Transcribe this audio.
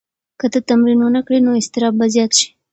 که ته تمرین ونه کړې نو اضطراب به زیات شي.